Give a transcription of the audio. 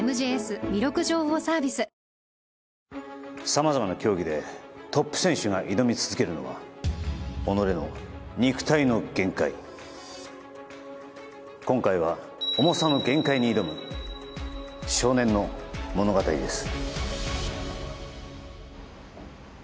様々な競技でトップ選手が挑み続けるのは己の今回は重さの限界に挑む少年の物語です